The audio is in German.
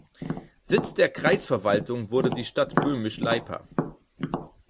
Sitz der Kreisverwaltung wurde die Stadt Böhmisch Leipa.